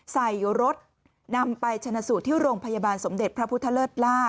ใส่รถนำไปชนะสูตรที่โรงพยาบาลสมเด็จพระพุทธเลิศล่า